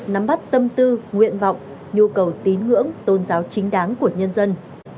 nắm bắt tâm tư nguyện vọng nhu cầu tín ngưỡng tôn giáo chính đáng của nhân dân